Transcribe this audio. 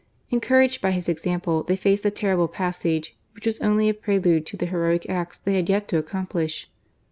Encouraged by his example, they faced the terrible passage, which was only a prelude to the heroic acts they had yet to accomplish.